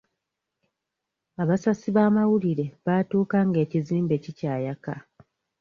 Abasasi b'amawulire batuuka ng'ekizimbe kikyayaka.